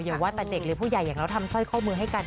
อย่าว่าแต่เด็กหรือผู้ใหญ่อย่างเราทำสร้อยข้อมือให้กัน